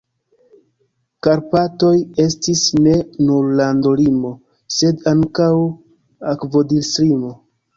Karpatoj estis ne nur landolimo, sed ankaŭ akvodislimo.